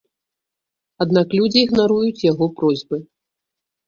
Аднак людзі ігнаруюць яго просьбы.